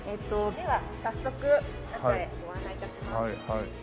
では早速中へご案内致します。